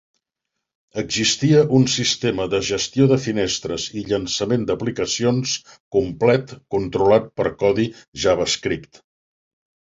Existia un sistema de gestió de finestres i llançament de aplicacions complet controlat per codi JavaScript.